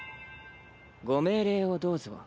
ご命令をどうぞ。